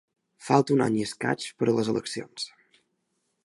Falta un any i escaig per a les eleccions.